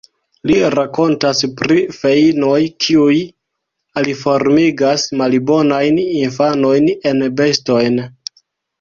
Li rakontas pri feinoj, kiuj aliformigas malbonajn infanojn en bestojn.